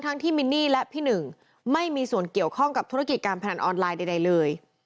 ที่มินนี่และพี่หนึ่งไม่มีส่วนเกี่ยวข้องกับธุรกิจการพนันออนไลน์ใดเลย